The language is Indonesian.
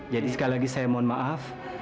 jadi sekali lagi saya mohon maaf